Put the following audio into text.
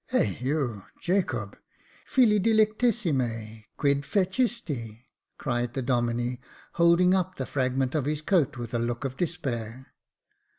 ^^ Eheu ! Jacobe — fiU dilectlsshne — quid fecistiV^ cried the Domine, holding up the fragment of his coat with a look of despair.